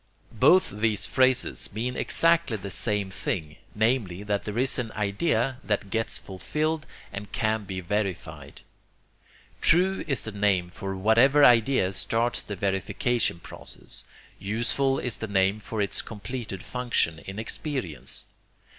Both these phrases mean exactly the same thing, namely that here is an idea that gets fulfilled and can be verified. True is the name for whatever idea starts the verification process, useful is the name for its completed function in experience.